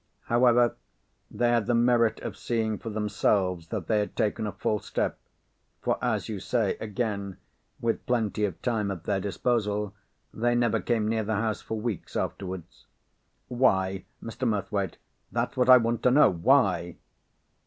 However, they had the merit of seeing for themselves that they had taken a false step—for, as you say, again, with plenty of time at their disposal, they never came near the house for weeks afterwards." "Why, Mr. Murthwaite? That's what I want to know! Why?"